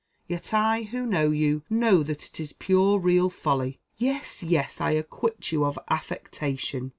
Yet I, who know you, know that it is pure real folly. Yes, yes, I acquit you of affectation."